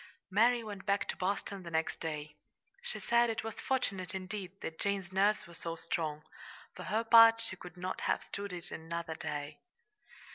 Mary went back to Boston the next day. She said it was fortunate, indeed, that Jane's nerves were so strong. For her part, she could not have stood it another day.